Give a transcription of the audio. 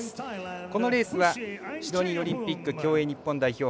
このレースはシドニーオリンピック競泳日本代表